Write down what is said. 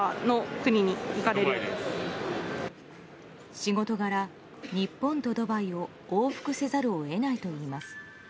仕事柄、日本とドバイを往復せざるを得ないといいます。